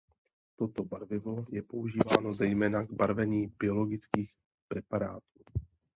Toto barvivo je používáno zejména k barvení biologických preparátů.